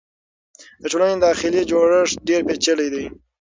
د ټولنې داخلي جوړښت ډېر پېچلی دی.